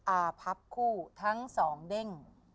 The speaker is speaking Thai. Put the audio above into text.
อาพับคู่ทั้งสองเด้ง